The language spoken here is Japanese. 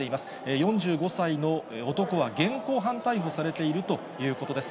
４５歳の男は現行犯逮捕されているということです。